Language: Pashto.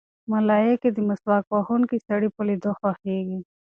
ملایکې د مسواک وهونکي سړي په لیدو خوښېږي.